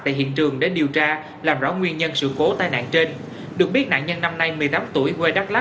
thì rất lớn và